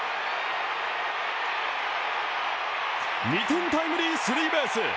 ２点タイムリースリーベース。